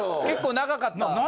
結構長かった。